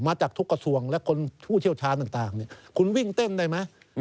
จากทุกกระทรวงและคนผู้เชี่ยวชาญต่างคุณวิ่งเต้นได้ไหม